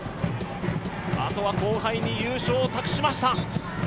あとは後輩に優勝を託しました。